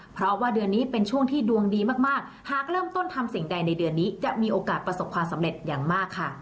เพราะว่าเดือนนี้เป็นช่วงที่ดวงดีมากหากเริ่มต้นทำสิ่งใดในเดือนนี้จะมีโอกาสประสบความสำเร็จอย่างมากค่ะ